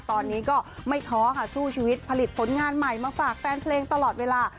ตอนนี้ก็ไม่ท้อค่ะสู้ชีวิตผลิตผลงานใหม่มาฝากแฟนเพลงตลอดเวลา